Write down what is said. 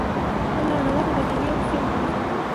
الله نواز د برټانیې او روسیې مخالف وو.